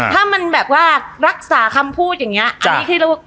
ถ้ามันแบบว่ารักษาคำพูดอย่างเงี้ยจ้ะอันนี้ที่เรียกว่า